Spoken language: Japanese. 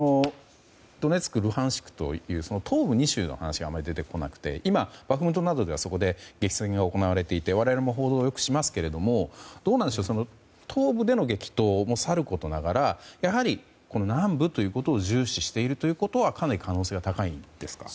情報戦、心理戦ではありますけど兵頭さんの今までのお話の中でドネツク、ルハンシクといった東部２州の話はあまり出てこなくて今、バフムトなどでは激戦が行われていて我々も報道をよくしますけれどもどうでしょう東部での激闘もさることながらやはり南部ということを重視しているということはかなり可能性は高いんですか？